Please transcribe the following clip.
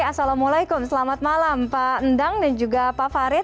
assalamualaikum selamat malam pak endang dan juga pak farid